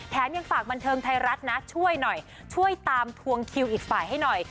ยังฝากบันเทิงไทยรัฐนะช่วยหน่อยช่วยตามทวงคิวอีกฝ่ายให้หน่อย